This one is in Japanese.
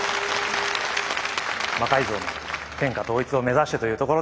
魔改造の天下統一を目指してというところで。